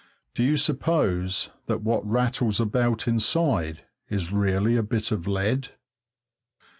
Do you suppose that what rattles about inside is really a bit of lead?